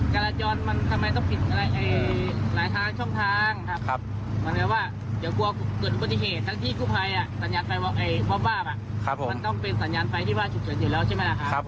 ครับผม